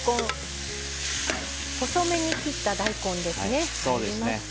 細めに切った大根ですね。